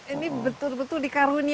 ini betul betul dikaruniai